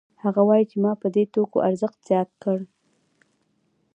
هغه وايي چې ما په دې توکو ارزښت زیات کړ